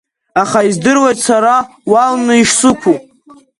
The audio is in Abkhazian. Аха издыруеит сара уалны ишсықәу…